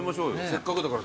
せっかくだから。